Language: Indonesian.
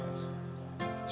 sebenarnya itu kemahak